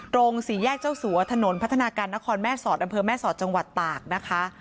โรงสีแยกเจ้าสัวถนนพัฒนาการนครแม่สอดอแม่สอดจังหวัดตาก